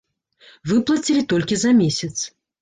Выплацілі толькі за месяц.